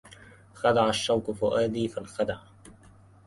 خدع الشوق فؤادي فانخدع